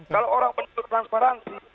kalau orang penuntut transparansi